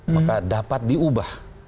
maka dapat diubah